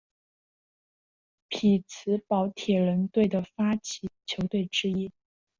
匹兹堡铁人队的发起球队之一。